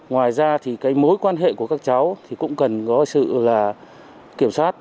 ngoài ra thì cái mối quan hệ của các cháu thì cũng cần có sự là kiểm soát